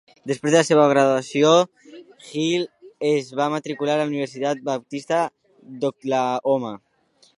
Després de la seva graduació, Hill es va matricular a la Universitat Baptista d'Oklahoma.